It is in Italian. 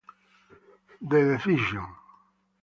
The Decision